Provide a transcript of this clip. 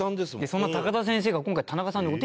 そんな高田先生が今回田中さんにお手紙を。